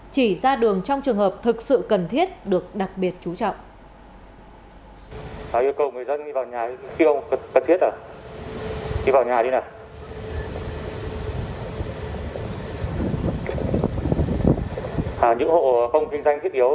chỉ ra đường trong trường hợp thực sự cần thiết được đặc biệt chú trọng